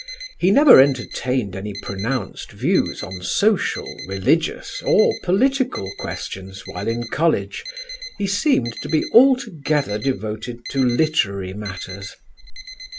He never entertained any pronounced views on social, religious or political questions while in College; he seemed to be altogether devoted to literary matters.